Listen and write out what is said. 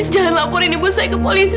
jangan laporin ibu saya ke polisi